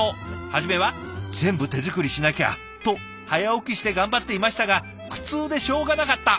初めは全部手作りしなきゃと早起きして頑張っていましたが苦痛でしょうがなかった。